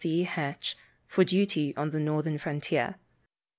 C. Hatch, for duty on the northern frontier.